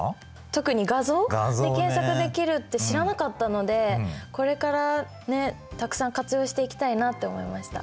特に画像で検索できるって知らなかったのでこれからたくさん活用していきたいなって思いました。